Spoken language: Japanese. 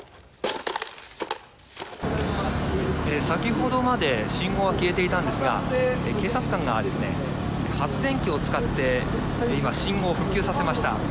先ほどまで信号は消えていたんですが警察官が、発電機を使って信号を復旧させました。